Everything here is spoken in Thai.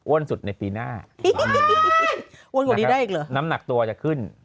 สุดในปีหน้าอ้วนกว่านี้ได้อีกเหรอน้ำหนักตัวจะขึ้น